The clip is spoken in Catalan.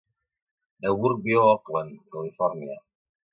Neuburg viu a Oakland, Califòrnia.